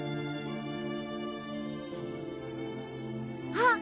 あっ！